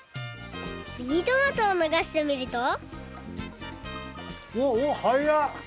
ミニトマトをながしてみるとおおおおはや！